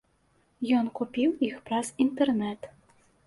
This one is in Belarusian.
Ён купіў іх праз інтэрнэт.